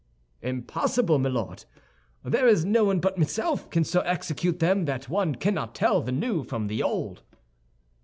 "Impossible, my Lord! There is no one but myself can so execute them that one cannot tell the new from the old."